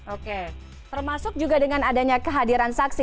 oke termasuk juga dengan adanya kehadiran saksi